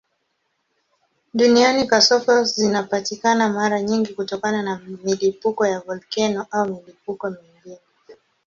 Duniani kasoko zinapatikana mara nyingi kutokana na milipuko ya volkeno au milipuko mingine.